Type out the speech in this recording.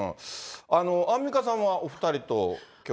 アンミカさんは、お２人と共演？